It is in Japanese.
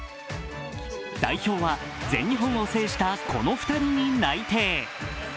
代表は全日本を制したこの２人に内定。